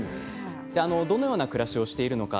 どのような暮らしをしているのか